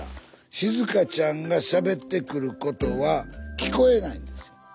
しずかちゃんがしゃべってくることは聞こえないんです。